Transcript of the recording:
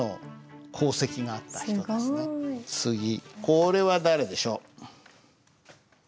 これは誰でしょう？